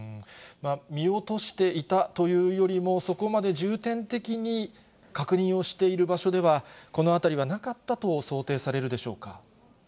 見落としていたというよりもそこまで重点的に確認をしている場所では、この辺りはなかったと想定されるでしょうか。